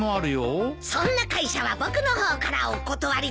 そんな会社は僕の方からお断りだよ。